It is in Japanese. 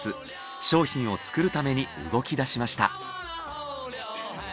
商品を作るために動き出しました。